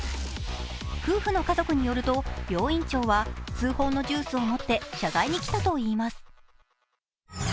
夫婦の家族によると病院長は数本のジュースを持って謝罪に来たといいます。